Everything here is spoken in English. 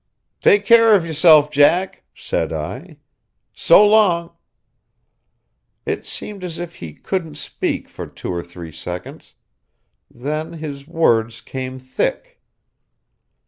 "Take care of yourself, Jack," said I. "So long!" It seemed as if he couldn't speak for two or three seconds; then his words came thick.